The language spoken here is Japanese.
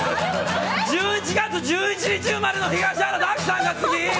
１１月１１日生まれの東原亜希さんが好き。